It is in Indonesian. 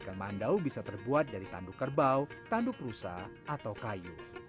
ikan mandau bisa terbuat dari tanduk kerbau tanduk rusa atau kayu